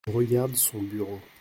Il regarde son bureau.